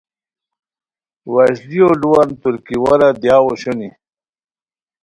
وشلیو لوان ترکی وارا دیاؤ اوشونی